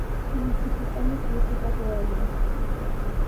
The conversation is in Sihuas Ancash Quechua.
Lichipitami kiisuta rurayan.